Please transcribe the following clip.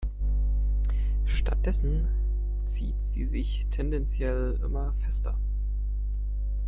Stattdessen zieht sie sich tendenziell immer fester.